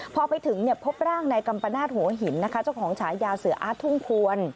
พอไปถึงพบร่างนายกัมปนาศหัวหินนะคะเจ้าของฉายาเสืออาร์ตทุ่งควร